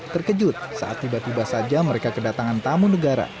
terkejut saat tiba tiba saja mereka kedatangan tamu negara